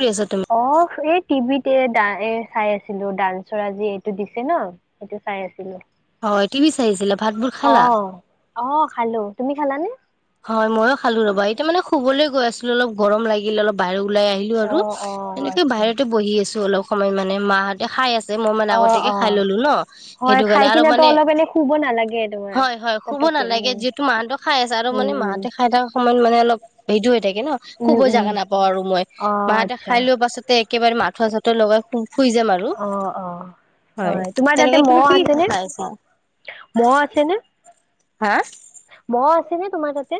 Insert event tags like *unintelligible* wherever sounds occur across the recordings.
কৰি আছা তুমি? অ', *unintelligible* টিভিতে এ চাই আছিলো, ডানসৰ আজি এইটো দিছে ন', সেইটো চাই আছিলো। হয়, টিভি চাই আছিলা, ভাতবোৰ অ খালা? অ', খালো, তুমি খালানে? হয় ময়ো খালো ৰবা এতিয়া মানে শুবলৈ গৈ আছিলোঁ, অলপ গৰম লাগিল অলপ বাহিৰ ওলাই আহিলো অ আৰু, অ তেনেকে আচ্ছা বাহিৰতে বহি আছো অলপ সময় মানে, মাহঁতে খাই আ মই মানে অ আগতিয়াকে অ খাই ললো ন', হয় সেইটো খাই কাৰণে আৰু কিনেতো মানে, অলপ এনে শুব নালাগে তোমাৰ শুব পতককে নালাগে উম যিহেতু মাহঁতেওঁ খাই আছে আৰু উম মানে উম মাহঁতে খাই থকা সময়ত মানে অলপ হেইটো হৈ থাকে *unintelligible* উম খুবই উম জেগা নাপাওঁ আৰু মই, অ মাহঁতে আচ্ছা খাই লোৱা পাছতে একেবাৰে আঠুৱা চাথোৱা লগাই শুই যাম আৰু। অ', অ', হয়, তোমাৰ তাতে তেনেকে তুমি মহ কি আছেনে? খাই আছা? মহ আছেনে? হা? মহ আছেনে তোমাৰ তাতে?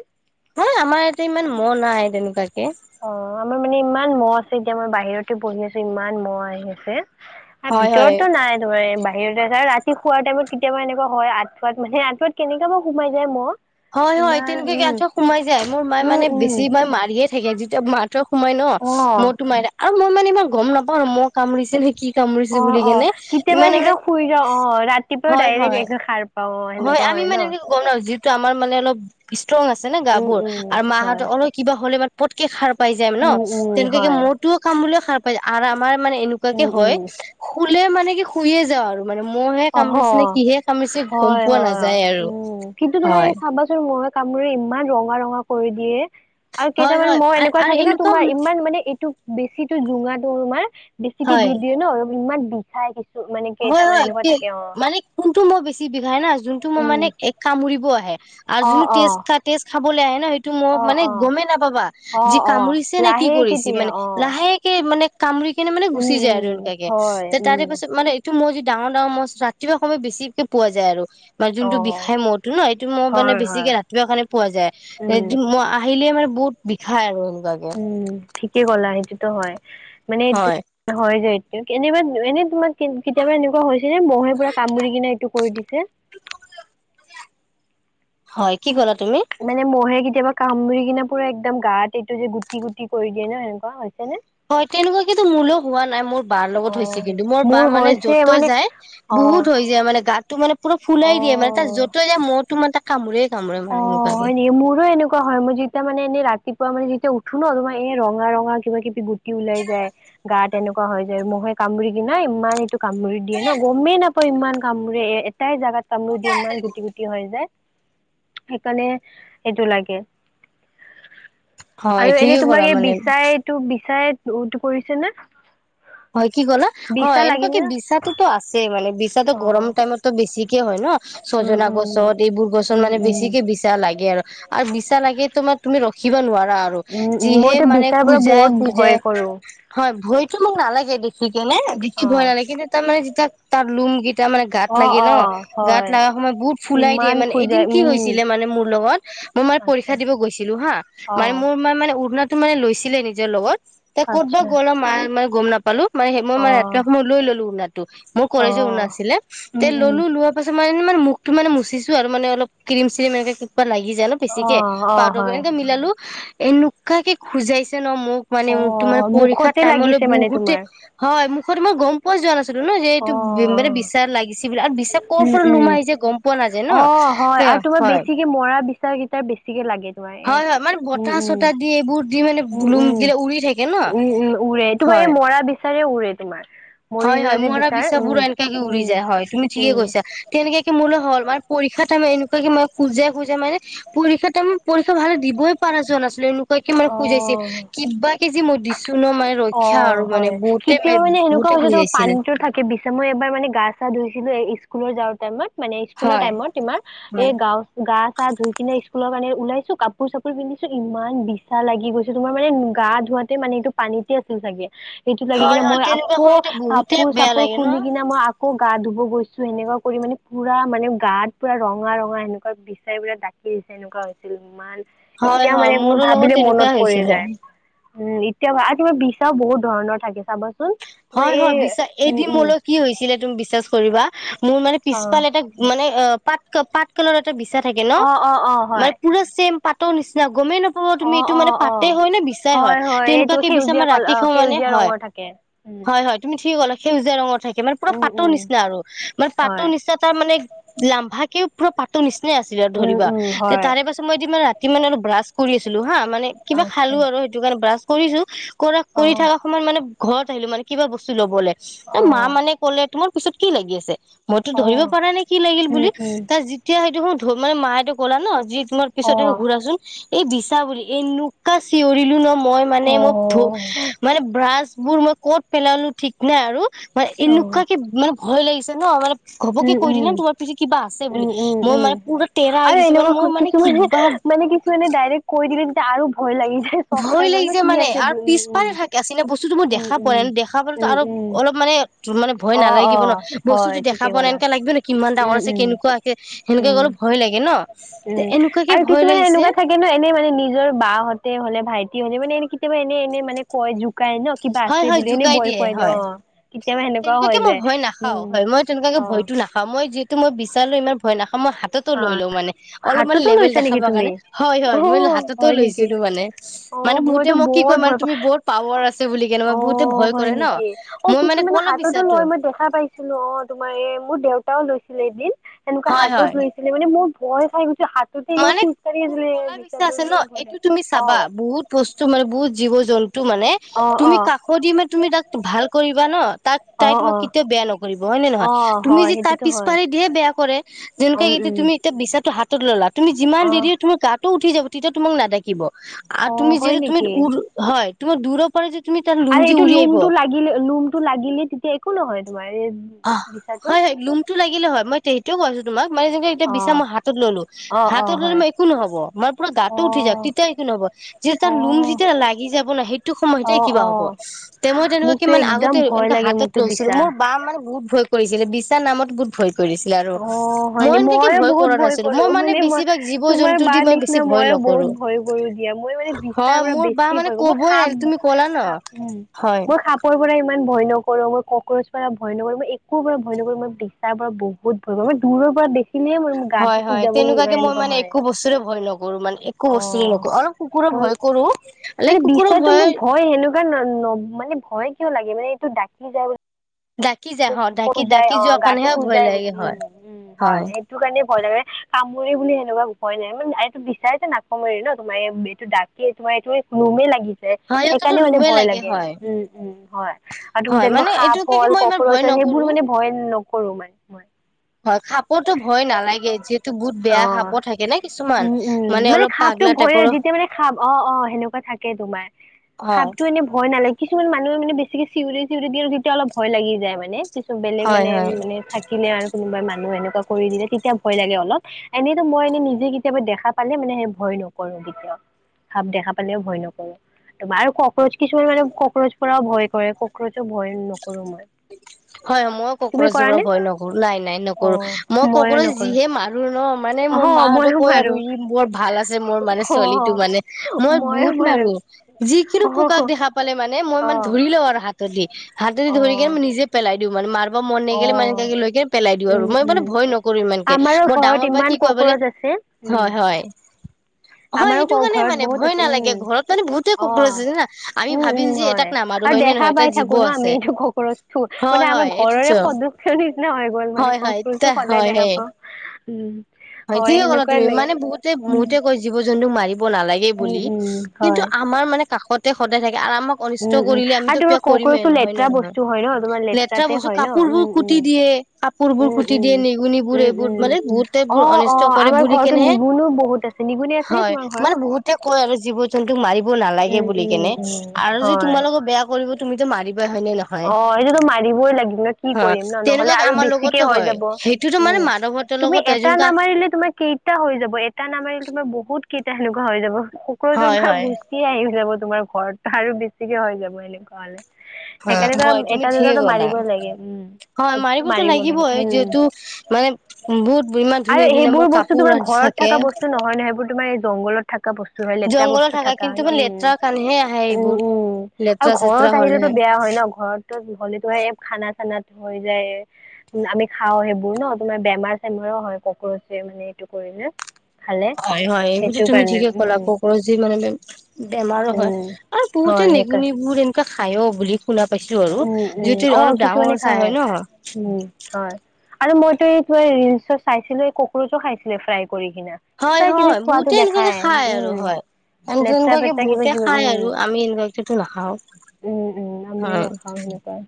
হয়, আমাৰ ইয়াতে ইমান মহ নাই তেনেকুৱা অ', আমাৰ মানে ইমান মহ আছে এতিয়া, মই বাহিৰতে বহি আছো ইমান মহ আহি আছে। হয় হয় ভিতৰতটো নাই তোমাৰ ব সেই ৰাতি শোৱাৰ টাইমত কেতিয়াবা এনেকুৱা হয় আঠুৱাত মানে আঠুৱাত কেনেকা মই সোমাই যায় মহ হয় হয় ইমান তেনেকুৱাক কে আঁঠ সোমাই যায় মোৰ মায়ে উম মানে উম বেছি মই মাৰিয়ে থাকে যেতিয়া মাৰ সোমাই ন উম মই তোমাই আৰু মই মানে এইবাৰ গম নাপাও ন মহ কামুৰিছে নে কি মহ অ অ কামুৰিছে বুলি অ কেনে কেতিয়াবা ইমান মহ এনেকা শুই যাওঁ অ ৰাতিপুৱাও হয় ডাইৰেক্ট হয় একদম সাৰ পাওঁ অ হয় সেনেকুৱা আমি ন। মানে এনেক গম না যি আমাৰ মানে অলপ ষ্ট্ৰং আছে না গা উম বোৰ উম আৰু হয় মাহতৰ অলপ কিবা হ'লে মান পতকে খাৰ পাই যায় ন উম উম তেনেকে হয় মহটোও কামোৰিলে বুল সাৰ পাই যায় আৰাম মানে এনেকুৱাকে উম উম হয় খুলে মানে কি শুইয়ে যাওঁ আৰু আৰু মহে অহ কামৰিছে নে কিহে কামৰিছে গম হয়, পোৱা নাযায় আৰু উম, কিন্তু তোমাৰ হয় এই চাবাচোন মহে কামোৰে ইমান ৰঙা ৰঙা কৰি দিয়ে। আৰু হয় কেইটামান হয় মহ আ- এনেকুৱা আৰু থাকে ন', তোমাৰ ম- ইমান মানে বেছিটো জোঙাটো তোমাৰ, বেছিকে হয় দি দিয়ে ন', আৰু ইমান বিষাই মানে হয় কেইটামান হয় এনেুকোৱা কি থাকে অ মানে কোনটো মহ বেছি বিষাই না, যোনটো মহ উম মানে এক কামুৰিব আহে। অ আৰু *unintelligible* অ টেষ্ট টেষ্ট খাবলৈ আহে ন সেইটো *unintelligible* মহ অ মানে অ গমেই নাপাবা, অ যি অ কামুৰিছে নে কি লাহেকে কৰিছে দিয়ে মানে, অ লাহেকে মানে কামৰি কিনে মানে উম গুচি যায় আৰু উম এনেকাকে, হয় তে উম তাৰে পাছত মানে মই যি ডাঙৰ ডাঙৰ মহ ৰাতিপুৱা সময়ত বেছিকে পোৱা যায় আৰু মান অ যোনটো বিষাই মটো ন এইটো ম মানে হয় হয় বেছিকে ৰাতিপুৱা কাৰণে পোৱা যায় উম মই আহিলে মানে বহুত বিষাই আৰু এ উম ঠিকেই গ'লা সেইটোতো হয় মানে এইটো হয় হয় যে এনেবা এনেই তোমাৰ কেতিয়াবা এনেকুৱা হৈছে নে মহে পুৰা কামুৰি কিনে এইটো কৰি দিছে *inaudible* হয় কি ক'লা তুমি মানে মহে কেতিয়াবা কামুৰি কিনে পুৰা একদম গাত এইটো যে গুটি গুটি কৰি দিয়ে ন সেনেকুৱা হৈছে নে হয় তেনেকুৱা কিন্তু মোলৈও হোৱা নাই মোৰ বাৰ অ লগত হৈছে কিন্তু মোৰ বা মানে হৈছে য'তো মানে যাই অ বহুত হৈ যায় মানে গাতটো মানে পুৰা ফুলাই দিয়ে মানে তাত অ য'তই যা ম মহ তো মানে তাক কামোৰে কামোৰে অ মানে এনেকুৱাকে হয় নেকি মোৰো এনেকুৱা হয় মই যেতিয়া মানে এনেই ৰাতি মানে যেতিয়া উঠো ন তোমাৰ এ ৰঙা ৰঙা কিবা কিবিুটি ওলাই যায় গা তেনেকুৱ হয় যায় মহে কামুৰি কি ন ইমান এইটো কামুৰি দিয়ে ন গমেই নাপাওঁ ইমান কামুৰি এ এটাই জোগাত কামোৰো দি ইমান গুটি গুটি হৈ যায় সেইকাৰণে এইটো লাগে হয় আৰু ঠিকে এনেই ক'লা তোমাক এই মানে বিচাইটো বিচাইটো কৰিছে নে হয় কি ক'লা বিচা হয় এনেকুৱা লাগিছে কি নে? বিচাোতো আছেই মানে বিচাো অ গৰম টাইমতো বেছিকে হয় ন উম ছজনা উম গছত এইবোৰ গছত উম মানে উম বেছিকে বিছা লাগে আৰু বিছা লাগে তোমাৰ তুমি ৰখিবা উম উম যিহে মইতো মানে বিচাৰ পৰা খোজ বহুত খোজ ভয় কৰো হয় ভ মোক নালাগে দেখি কেনে দেখি ভয় নালাগে কিন্তু তাৰ মানে যেতিয়া তাৰ লুম গ এাৰ মানে গত অ অ লাগে অ ন গত হয় লগা সময়ত বহুত ফুলাই দিয়ে কিমান মানে খোজাই এদিন কি উম হৈছিলে মানে মোৰ লগত মোৰ মানে আচ্ছা পৰীক্ষা দিব গৈছিলো হা অ মানে মোৰ মানে মানে উৰূনাত মানে লৈছিলে নিজৰ লগত ত ক'ত বা আচ্ছা গ'ল ম মানে গম নাপালো। মানে সে মই অ মানে ৰাতিপুৱা সময় লৈ ললো উনা টো মোৰ অ কলেজৰ নাছিলে তে উম উম ল'লো লোৱা পাছত মানে মুখটো মানে মুচিছো আৰু মানে অলপ ক্ৰীম‌ চীৰিম এনেকে লাগি যায় ন অ বেছিকে অ পাউদাৰ হয় এনে মিলালো এনেকুৱা যে খোজাইছে ন মোক মানে অ মোক তো মানে পৰীক্ষা মুখতে টাইমলৈ লাগিছে মানে বহুতে তোমাৰ হয় মুখত তোমই গম পোৱা যোৱা নাছিল টো ন যে অ এইটো মান বিশচাৰ লাগিছে বুলি আৰু বিশ কৰ'ৰ উম পৰা উম লোম আহিছে গম পোৱা নাযায় ন। অ হয় আৰু তোমাৰ হয় বেছিকে মৰা বিচাৰ কেইাৰ বেছিকে লাগে। তোমাৰ এ হয় হয় মানে উম বতাহ উম চতাহ দি এইবোৰ দি মানে উম লুম উম দিলে উৰি থাকে ন উম উম উৰে তোমাৰ হয় মৰা বিচাৰে উৰে তোমাৰ। মৰি হয় যোৱা হয় যে মৰা বিচাৰ বিছ উম পুৰা এনেকুৱাকে উৰি উম যায় হয় তুমি ঠিকে উম কৈছা তেনেকুৱাকে মোলৈ হ'ল মানে পৰীক্ষা টাইম এনেকুৱাকে মই ফুল যে হৈ যায় মানে পৰীক্ষা তাৰে পৰীক্ষা ভাল দিবই পাৰা যোৱা নাছিল। মানে খোজাইছিল অ কিবা কেজি অ হয় কেতিয়াও মানে সেনেকু বহুতে সেইটো খোজাইছিলে পানীতো থাকে পিছে মই এবাৰ মানে গা চা ধুইছিলো এই স্কুলৰ যাওঁ টাইমত। মানে স্কুলৰ হয় টাইমত তোমাৰ এই হয় গাওঁ গা চা ধুই কিনে ফুল কাৰণে ওলাইছো কাপোৰ চাপোৰ পিন্ধিছো ইমান বিছা লাগি গৈছেো তোমাৰ মানে গা ধোৱাতে মানে এইটো পানীত আছিল চাগে সেইটো লাগি হয় কিনে হয় মই তেনেকুৱা আকৌ সময়তো বহুতে কাপোৰ বেয়া চাপোৰ লাগে ন খুলি কিনে মই আকৌ গা ধুব গৈছো সেনেকুৱা কৰি মানে পুৰা মানে গাত পুৰা ৰঙা ৰঙা সেনেকুৱা বিচাৰি প ডাক কি এনেকুৱা হৈছিল ইমান হয় এতিয়া হয় মানে মোৰো লগত ভাবিলে মনত তেনেকুৱা পৰি হৈছিলে যায়। উম এতিয়া আৰু কিবা বিছাও বহুত ধৰণৰ থাকে চাব। হয় হয় বিশ্বাস এদিন মলৈ কি হৈছিলে তুমি বিশ্বাস কৰিবা। মোৰ মানে অ', পিছফাল এটা মানে আ পাত পাত কালৰ এ বিছা থাকে ন অ', অ', অ', হয়। মানে পুৰা চেম পাতৰ নিচিনা‌। গমেই নাপাব তুমি অ', এইটো মানে অ', অ', পাতে হয় নে বিচাই হয় এইটো তেনেকুৱাকে বিচা সেউজীয়া আমাৰ কল ৰাতি অ', খা মানে সেউজীয়া হয়। ৰঙৰ থাকে। উম। হয় হয় তুমি ঠিকে কলে সেউজীয়া ৰঙৰ থাকে। মানে পুৰা উম, পাতৰ উম, নিচিনা আৰু মানে পাতৰ হয়, নিচিনা তাৰ মানে লাম্ভা কেও পুৰা পাতৰ নিচিনা। আছিলে আৰু উম, ধৰিবা উম, হয়, তাৰে পাছত মই এ ৰাতি মানে আৰু ব্ৰাছ কৰি আছিলো হা মানে কিবা খালো আচ্ছা। আৰু সেইটো কাৰণে ব্ৰাছ কৰিছো কৰা কৰি অ', থকা সময়ত মানে ঘৰত আহিলো মানে কিবা বস্তু ল'বলৈ ত মা অ', মানে কলে তোমাৰ পিছত কি লাগি আছে। মইতো ধৰিব অ', পাৰা নে কি লাগিল বুলি উম, উম, তাৰ যেতিয়া সেইটো হ মানে মায়টো কলা ন জি পিছত অ', ঘুৰাচোন এই বিছা বুলি এনকা চিঞৰিলো ন ম মই মানে মই ধুই অ', মানে ব্ৰাছ বোৰ মই কত পেলালো ঠিক নাই আৰু। মই এনেকুৱা অ', কি মানে ভয় লাগিছে ন মানে উম, ঘবকে কৈ দিন উম, তোমাৰ পিছ কিবা আছে বুলি উম, উম, মই মানে উম, পুৰা টেৰা আহ আৰু গৈছো মানে এনেকুৱা মই মানে কিছুমানে কিবা মানে কিছুমানে ডাইৰেক্ট কৈ দিলে তেতিয়া আৰু ভয় লাগি যায় চখ ভয় খাই জে কি আছে উম। বস্তুতো মোৰ উম দেখা উম পোৱা নাই ন দেখা পালো উম আৰু উম অলপ মানে মানে ভয় অ অ নালাগিব ন হয় বস্তুতো দেখা ঠিকে পোৱা নাই ক'লা লাগিব ন কিমান উম ডাঙৰ আছে উম কেনেকুৱা আছে সেনেকুৱা উম গ'লো ভয় লাগে ন তে উম এনেকুৱাকে আৰু ভয় কিছুমানে লাগিছে। এনেকুৱা থাকে ন এনে মানে নিজৰ বাহহঁতে হলে ভাইটি হলে মানে কেতিয়াবা এনে এনে মানে কয় যু শুকাই ন কিবা হয় আছে হয় বুলিহেনে জোকাই ভয় দিয়ে খুৱাই দিওঁ হয় অ কেতিয়াবা সেনেকুৱাও হৈ যায় উম। অ ভয়টো নাখা মই যিহু মই বিচাৰো ইমান ভয় নাখা মই হাততো অ লৈ লো মানে অলপমান হাততো লেভেল লৈছা নেকি দেখাবৰ তুমি কাৰণে হয় অ হয় মই হাততো হয় নেকি লৈছিলো মানে। অ মানে বহুতে মইতো মোক কি বৰ কয় মানে ভয় পাওঁ। তুমি বহুত পাৱাৰ আছে বুলি কেনে মই অ বহুতে ভয় হয় কৰে ন নেকি অ মই মানে কিছুমানানে ক'লা হাততো বিচাৰো লয় মই দেখা পাইছিলো অ তোমাৰ এই মোৰ দেউ লৈছিলে এদিন তেনেকুৱা হয় হাতত হয় লৈছিলে মানে মোৰ ভয় খাই হাত মানে কলা বিছা আছে ন ইমান ভয় এইটো লাগে তুমি অ চাবা বহুত বস্তু মানে বহুত জীৱ জন্তু মানে অ অ তুমি কাষ দি মান তুমি তাক ভাল কৰিবা ন তাক অ তাই তোমাক কেতিয়াও বেয়া নকৰিব হয় নে অ নহয় অ তুমি হয় য তাৰ সেইটোতো পিছ হয় পাৰি দিহে বেয়া কৰে যেনেকুৱা উম এতিয়া উম তুমি এতিয়া বিচাটো হাতত ল'লা তুমি যিমান অ দেৰি তম গাটো উঠি যাব তেতিয়া তোমাক নাথাকিব আৰু অ তুমি হয় যিহেতু তুমি নেকি হয় তোমাৰ পৰা যে তুমি তাৰ লুম আৰু যে এইটো উৰি লোম আহিব টো লাগিলে লোম টো লাগিলে তেতিয়া একো নহয় তোমাৰ এই আহ বিচাটো হয় হয় লোমটো লাগিলে মই সেইটোও কৈছো তোমাক মানে যেনেকে এতিয়া অ বিচা মই হাতত ললো অ অ হাতত ললে হয় মই একো নহ'ব মই পুৰা গাতটো অ উঠি যাও তেতিয়া একো নহব যে তাৰ অ লোম যেতিয়া লাগি যাব ন সেইটো সময়তে অ কিবা হব অ তে মই তেনেকুৱাক কি মোকতো মানে একদম আগতে ভয় এনেককা লাগে হাতত মোকতো লৈছিলো বিছা। মোৰ বা মানে বহুত ভয় কৰিছিলে বিচাৰ নামত বহুত ভয় কৰিছিলে আৰু অ হয় ন মই এনেকে মইো বহুত কৰা ভয় নাছিলো কৰো মই মানে মই বেছিভাগ জীৱ তোমাৰ জন্তু দি বাাৰ মই বেছি নিচিনা ভয় মইো বহুত নকৰো ভয় কৰো দিয়া মই মানে বিশ তাৰ হয় পৰা মোৰ বা বেছি মানে ভয় কৰো মই কবই খাপ নালাগে তুমি কলা ন খ উ হয় মই খাপৰ পৰা ইমান ভয় নকৰো কৰো মই কক্ৰচ পৰা ভয় নকৰো, মই একো পৰা ভয় নকৰো, মই বিচাৰ পৰা বহুত ভয় কৰো মই দূৰৰ পৰা খিনিয়ে মই মোৰ গাটো হয় হয় খুজাব তেনেকুৱাকে মই এনেকুৱা মানে হয়। একো বস্তুৰে ভয় নকৰো মানে একো বস্তুৰে অ' নকৰো অলপ কুকুৰৰ ভয় কৰো মান লাইক কুকুৰৰ বিচাটো মোক ভয় সেনেকুৱা ন ন মানে ভয় কিয় লাগে মানে এইটো ডঢাকি যায় ডাকি যায় হ শু ডাকি যাই ডাকি অ যোৱা গাটো কাৰণেহে ভয় শুজাই বুলি লাগে উম হয় উম হয় সেইটো কাৰণে কৰে কামুৰে বুলি সেনেুৱা ভয় নায়, মানে এইটো বিচাইটো নাকামোৰে ন তোমাৰ এইটো ডাকিয় তোমাৰ এইতোৱে লমে লাগিছে হয় সিহঁততো সেইকাৰণেও মানে লোমে ভয় লাগে। হয় উম উম হয় আৰু তুমি হয় যেনেকুৱা মানে এইটোকে কি সাফল মই ইমান কফচল ভয় নকৰো সেইবোৰ মানে ভয় নকৰো মানে মই হয় খাপতো ভয় নালাগে যিহেতু বহুত বেয়া অঁ খাপ থাকে নে কিছুমান মানে অলপ পাগলা হয় টাইপৰো যেতিয়া মানে খাম অ অ সেনেকুৱা থাকে তোমাৰ হয় হাপটো এনে ভয় নালাগে কিছুমান মানুহে মানে বেছিকে চিঞৰি চিঞৰি দিয় তেতিয়া অলপ ভয় লাগি যায় মানে কিছু বেলেগ হয় মানে হয় মানে থাকিলে আৰু কোনোবা মানুহ এনেকুৱা কৰি দিলে তেতিয়া ভয় লাগে অলপ এনেইতো মই এনে নিজে কেতিয়াবা দেখা পালে মানে সেই ভয় নকৰো কেতিয়াও ভাপ দেখা পালেও ভয় নকৰে মায়ে কক্ৰোচ কিছুমান মানে কক্ৰোচ পৰাও ভয় কৰে কক্ৰোচো ভয় নক হয় হয় মই কক্ৰোচো কৰা পৰা নে ভয় নকৰো নাই নাই অ নকৰো। মই ময়ো কক্ৰোচ নকৰো যিহে মাৰো ন। মানে অ মোৰ মাহঁতে ময়ো কয় আৰু মাৰো ই বৰ ভাল আছে মোৰ মানে অ ছোৱালীটো মানে, মই বহুত মাৰো। যিকিনো পোকাক অ', দেখা পালে মানে মই মানে ধৰি লওঁ আৰু, হাত দি হাত দি ধৰি কিনে অ', মই নিজে পেলাই দিও মানে মাৰ বা মন ন গিলে মানে অ', লৈ কেনে পেলাই দিওঁ আৰু উম, মই মানে ভয় নকৰো ইমানকে। মই ডাঙৰ বা কিমান কি কয় বোলে কক্ৰচ আছে। উম। হয় হয়। হয় সেইটো আমাৰো কাৰণে ঘৰত মানে বহুত ভয় আছে নালাগে ঘৰত মানে বহুতে উম কক্ৰচ আছে না আমি অ' উম ভাবিম উম যে হয়। এটাক নামাৰো আৰু হয় নে দেখা নহয় এটা পাই জীৱ থাকো ন আমি আছে এইটো ককৰচটো হয় মানে হয় আমাৰ ঘৰৰে এইটোতো সদস ন হৈ গ'ল মানে হয় হয় তে কক্ৰোজটো সদায় হয় দেখা সেই পাওঁ। উম হয় যি ক'লা সেনেকুৱাই তুমি লাগে, মানে বহুতে উম, বহুতে কৈছা জীৱ জন্তু মাৰিব নালাগে উম, বুলি, উম, কিন্তু হয়। আমাৰ মানে কাষত সদায় থাকে, আমাক অনিষ্ট উম, উম, কৰিলে আৰু আমিতো তোমাৰ কিবা কৰিমেই কক্ৰচটো নহয় হয় নে লেতেৰা নহয়। বস্তু হয় ন, তোমাৰ লেতেৰা লেতেৰাতে বস্তু হয় ন, কাপোৰ পোৰো বোৰ উম, উম। কুটি দিয়ে কাপোৰ বোৰ উম কুটি উম দিয়ে নিগুনিবোৰে, উম এইবোৰ উম মানে বহুত অ অ অনিষ্ট কৰে আমাৰ বুলি ঘৰতো কেনেহে, নিগুনো বহুত আছে নিগুনি আছে নে হয় তোমাৰ ঘৰত মানে বহুতে কয় আৰু জীৱ জন্তু মাৰি নিলাগে উম বুলি উম কিনে উম আৰু যে হয় তোমালোকক বেয়া কৰিব তুমিতো মাৰি হয় নে নহয়, অ এইটোতো মাৰিবই লাগিব ন কি অ' কৰিম ন নহলে তেনেকুৱা আৰু আমাৰ বেছিকে লগতো হৈ হয়। যাব সেইটোতো মানে উম মাধৱতৰ তুমি লগত এটা যোনকা নামাৰিলে তোমাৰ কেইটা হৈ যাব এটা নামাৰিলে তোমাৰ বহুত কেইটা সেনেকুৱা হৈ যাব। সকলো জেগাৰ হয় পৰা হয় গুচিয় আহি যাব তোমাৰ ঘৰত আৰু বেছিকে হৈ যাব এনেকুৱা হলে। সেইকাৰণে ত হয় তুমি এটা ঠিকে দুটাতো ক'লা। মাৰিবই লাগে উম হয় সেইটোতো মাৰিবতো মাৰিব লাগে লাগিবৈ, এই উম যিহেতু মানে বহুত ইমান আৰু ধুনীয়া ধুনীয়া সেইবোৰ মোৰ বস্তু কাপোৰ তোমাৰ ঘৰত থাকে থকা বস্তু নহয় নহয় সেইবোৰ তোমাৰ এই জংগলত থকা বস্তু হয় লেতেৰা জংঘলত বস্তু থাকা থাককা কিন্তু হয় মানে উম লেতেৰা কাৰণেহে আহে উম এইবোৰ উম আৰু লেতেৰা ঘৰত চেতেৰা আহিলোতো হ'লেহে বে বেয়া হয় ন ঘৰ লো খানা চানা হৈ যায় আমি খাও সেইবোৰ ন তোমাৰ বেমাৰ চে মাৰো হয় কক্ৰচে মানে এইটো কৰিলে। খালে হয় হয় এইবুলি সেইটো তুমি কাৰণে ঠিকে উম ক'লা কক্ৰোজে যি মানে বেমাৰো হয়। উম আৰু বহুতে হয় সেইকাৰণে নেগনিবোৰ এনেকে খাই অ বুলি শুনা পাইছো আৰু উম উম যিহটো অ অলপ কিছুমানে ডাঙৰ চাই খায় হয় উম ন। হয়। আৰু মইতো এই ত ৰিলচত চাইছিলো এই কক্ৰোচো খাইছিলে ফ্ৰাইড কৰি কিনা হয় তাই কিবি হয় বহুতে খোৱাাতো এনেকুৱাকে দেখায়। খাই আৰু উম হয় লেতেৰা এনেকুৱাকে পেতৰা কিবা বহুতে কিবা খাই আৰু উম আমি এনেকুৱাকেতো নাখাও উম উম আমি হয় নাখাওঁ সেনেকুৱা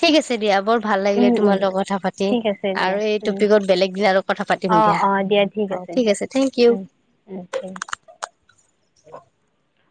ঠিক আছে দিয়া। বৰ ভাল লাগিলে উম উম তোমাল লগৰ কথা পাতি, ঠিক আছে দিয়া আৰু এই উম টপিকত বেলেগ দিনা আৰু কথা পাতিম দিয়া। হয়। ঠিক আছে থেংক ইউ *unintelligible* *unintelligible*